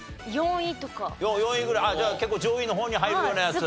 じゃあ結構上位の方に入るようなやつ？